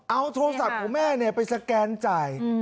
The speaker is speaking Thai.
เอาโทรศัพท์ของแม่ไปสแกนจ่าย